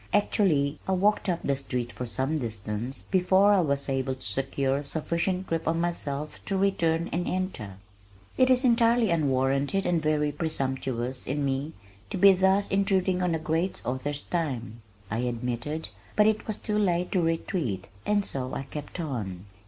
Actually I walked up the street for some distance before I was able to secure sufficient grip on myself to return and enter. "It is entirely unwarranted and very presumptuous in me to be thus intruding on a great author's time," I admitted, but it was too late to retreat, and so I kept on.